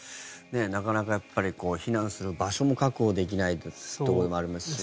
なかなか避難する場所も確保できないところでもありますし。